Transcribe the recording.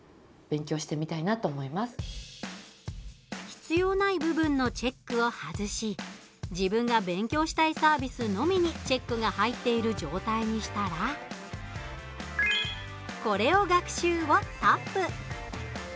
必要ない部分のチェックを外し自分が勉強したいサービスのみにチェックが入っている状態にしたらこれを学習！をタップ。